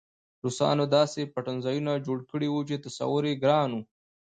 روسانو داسې پټنځایونه جوړ کړي وو چې تصور یې ګران و